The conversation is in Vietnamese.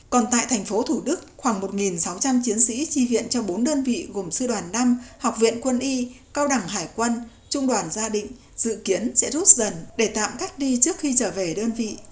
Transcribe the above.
còn tại thành phố thủ đức khoảng một sáu trăm linh chiến sĩ chi viện cho bốn đơn vị gồm sư đoàn năm học viện quân y cao đẳng hải quân trung đoàn gia định dự kiến sẽ rút dần để tạm cách đi trước khi trở về đơn vị